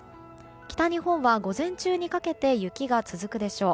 北日本は午前中にかけて雪が続くでしょう。